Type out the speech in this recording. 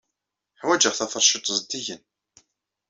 Ḥwajeɣ taferčiṭ zeddigen.